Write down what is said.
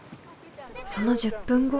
その１０分後。